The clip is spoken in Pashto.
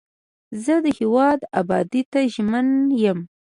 زه د هیواد ابادۍ ته ژمن یم.